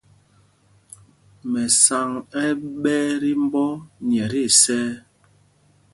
Mɛsaŋ ɛ́ ɛ́ ɓɛɛ tí mbɔ nyɛ tí isɛɛ.